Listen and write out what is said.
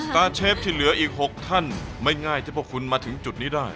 ตาร์เชฟที่เหลืออีก๖ท่านไม่ง่ายที่พวกคุณมาถึงจุดนี้ได้